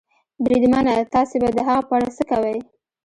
بریدمنه، تاسې به د هغه په اړه څه کوئ؟